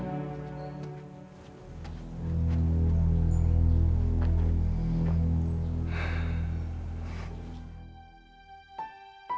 bukan rumahan kamu azab